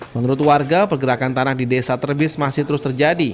menurut warga pergerakan tanah di desa terbis masih terus terjadi